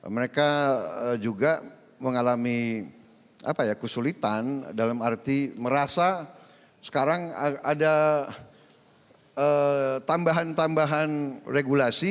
mereka juga mengalami kesulitan dalam arti merasa sekarang ada tambahan tambahan regulasi